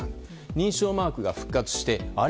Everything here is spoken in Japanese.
認証マークが復活してあれ？